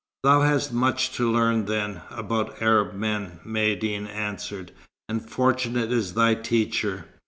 "Thou hast much to learn then, about Arab men," Maïeddine answered, "and fortunate is thy teacher.